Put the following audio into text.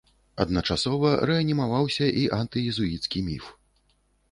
Адначасова рэанімаваўся і антыезуіцкі міф.